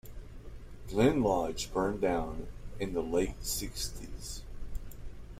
Glen Lodge burned down in the late sixties.